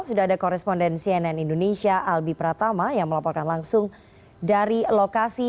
sudah ada koresponden cnn indonesia albi pratama yang melaporkan langsung dari lokasi